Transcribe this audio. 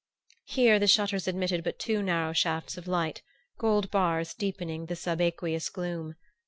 Here the shutters admitted but two narrow shafts of light, gold bars deepening the subaqueous gloom.